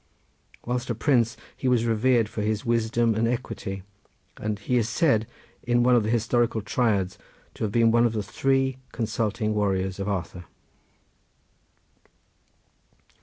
Whilst a prince he was revered for his wisdom and equity, and he is said in one of the historical triads to have been one of the three consulting warriors of Arthur.